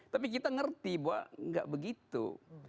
tapi kita ngerti bahwa nggak begitu